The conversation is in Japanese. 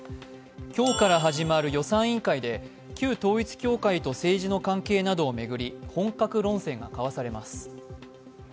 今日から始まる予算委員会で旧統一教会と政治の関係などを巡り本格論戦が交わされます。